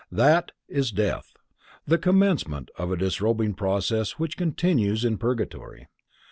That is death!—the commencement of a disrobing process which continues in purgatory.